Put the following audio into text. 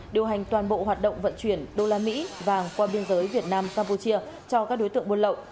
điều hành toàn bộ hoạt động vận chuyển đô la mỹ vàng qua biên giới việt nam campuchia cho các đối tượng buôn lậu